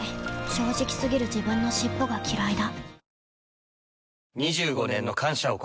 正直過ぎる自分の尻尾がきらいだ